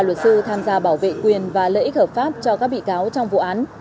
ba mươi ba luật sư tham gia bảo vệ quyền và lợi ích hợp pháp cho các bị cáo trong vụ án